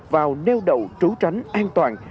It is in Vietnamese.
vào nêu đậu trú tránh an toàn